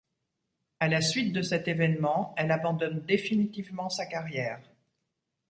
À la suite de cet événement, elle abandonne définitivement sa carrière.